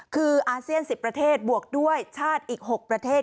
คืออาเซียน๑๐ประเทศบวกด้วยชาติอีก๖ประเทศ